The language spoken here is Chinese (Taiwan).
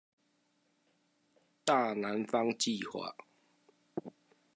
大南方計畫